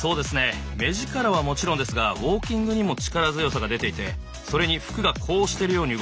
目力はもちろんですがウォーキングにも力強さが出ていてそれに服が呼応しているように動く。